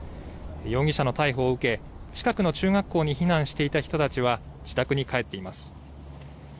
容疑者の逮捕を受け近くの中学校に避難していた人たちは自宅に帰っています。